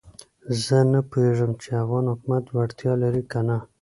زه نه پوهېږم چې افغان حکومت وړتیا لري کنه.